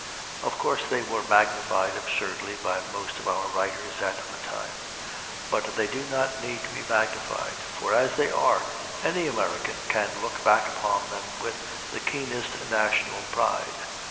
Of course they were magnified absurdly by most of our writers at the time; but they do not need to be magnified, for as they are any American can look back upon them with the keenest national pride.